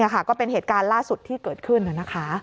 นี่ค่ะก็เป็นเหตุการณ์ล่าสุดที่เกิดขึ้นแล้วนะคะ